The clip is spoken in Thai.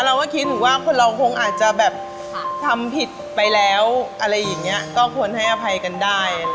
เราก็คิดถึงว่าคนเราคงอาจจะแบบทำผิดไปแล้วอะไรอย่างนี้ก็ควรให้อภัยกันได้